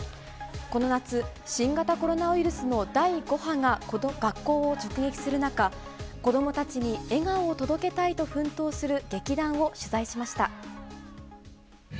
この夏、新型コロナウイルスの第５波が学校を直撃する中、子どもたちに笑顔を届けたいと奮闘する劇団を取材しました。